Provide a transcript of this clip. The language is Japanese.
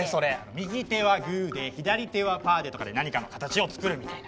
「みぎてはグーでひだりてはパーで」とかで何かの形を作るみたいな。